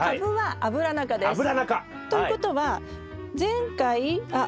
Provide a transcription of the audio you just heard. アブラナ科。ということは前回あっ